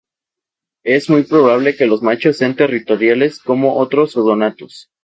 Es muy probable que los machos sean territoriales como otros odonatos.